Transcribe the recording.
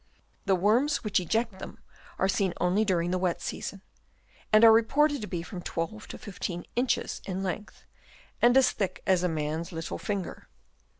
The worms which eject them are seen only during the wet season, and are reported to be from 12 to 15 inches in length, and as thick as a man's little finger.